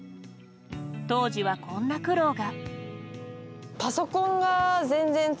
当時は、こんな苦労が。